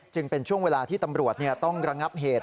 เป็นช่วงเวลาที่ตำรวจต้องระงับเหตุ